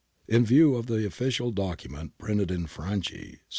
] In view of the official document printed in Franci, ii.